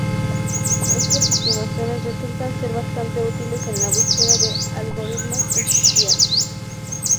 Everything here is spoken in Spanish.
Estas estimaciones resultan ser bastante útiles en la búsqueda de algoritmos eficientes.